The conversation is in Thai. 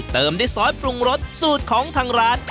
เติมด้วยซอสปรุงรสสูตรของทางร้าน